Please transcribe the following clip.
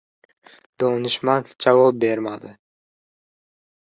Donishmand javob bermadi.